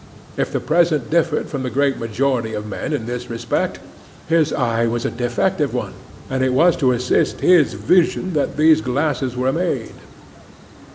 If the President differed from the great majority of men in this respect, his eye was a defective one, and it was to assist his vision that these glasses were made.